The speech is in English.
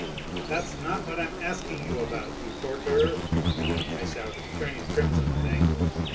" That's not what I am asking you about, you torturer I " I shouted, turning crimson with anger.